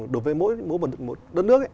đối với mỗi đất nước